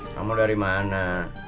kamu dari mana